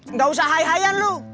nggak usah hai haian lu